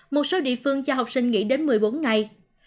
một số địa phương cho học sinh nghỉ đến một mươi bốn ngày